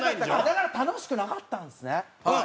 だから楽しくなかったんですね。